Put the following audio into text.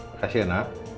makasih ya nak